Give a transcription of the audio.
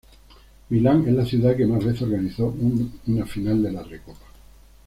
Milán es la ciudad que más veces organizó una final de la Recopa.